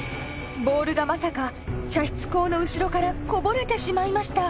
ボールがまさか射出口の後ろからこぼれてしまいました。